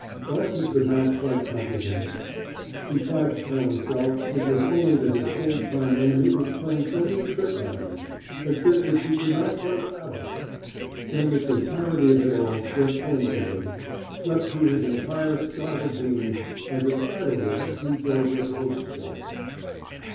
But he could not quite comprehend it. He tried to tell himself it was only that his old time enemy was playing some new trick on him, a trick which he could not quite fathom. Then the totality of it all swept home to him, swept through his entire startled being as a tidal wave sweeps over a coast shoal.